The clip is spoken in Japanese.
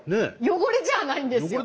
汚れじゃないんですよ。